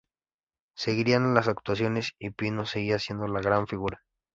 Seguirían las actuaciones, y Pino seguía siendo la gran figura.